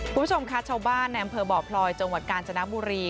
คุณผู้ชมค่ะชาวบ้านในอำเภอบ่อพลอยจังหวัดกาญจนบุรี